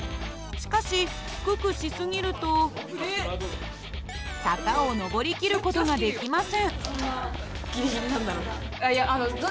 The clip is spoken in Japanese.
しかし低くし過ぎると坂を上り切る事ができません。